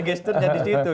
gesturnya di situ